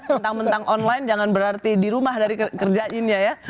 mentang mentang online jangan berarti di rumah dari kerjainnya ya